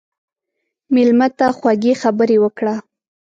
مېلمه ته خوږې خبرې وکړه.